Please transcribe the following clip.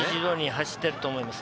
走っていると思います。